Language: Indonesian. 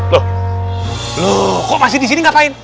loh loh kok masih di sini ngapain